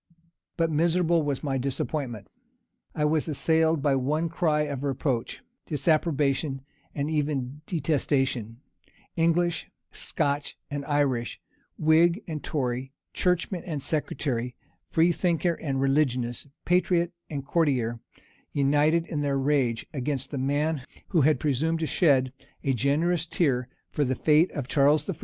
But miserable was my disappointment; I was assailed by one cry of reproach, disapprobation, and even detestation; English, Scotch, and Irish, whig and tory, churchman and sectary, freethinker and religionist, patriot and courtier, united in their rage against the man who had presumed to shed a generous tear for the fate of Charles I.